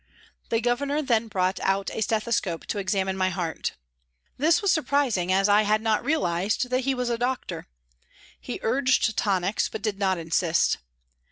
The Governor then brought out a stethoscope to examine my heart. This was sur prising, as I had not realised that he was a doctor. He urged tonics, but did not insist.